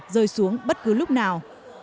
rơi xuống bất cứ lúc nào